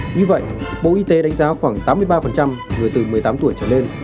như vậy bộ y tế đánh giá khoảng tám mươi ba người từ một mươi tám tuổi trở lên